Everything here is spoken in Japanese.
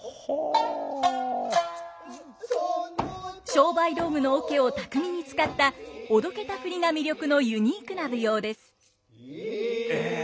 商売道具の桶を巧みに使ったおどけた振りが魅力のユニークな舞踊です。え。